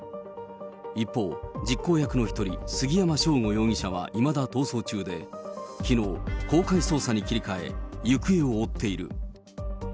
一方、実行役の１人、杉山翔吾容疑者はいまだ逃走中で、きのう、公開捜査に切り替え、行方を追っている。